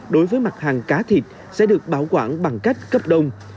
đối với mặt hàng cá thịt sẽ được bảo quản bằng cách cấp đông